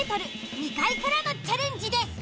［２階からのチャレンジです］